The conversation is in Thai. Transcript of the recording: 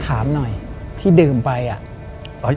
ตอนนั้นถามหน่อยที่ดื่มไปอ่ะ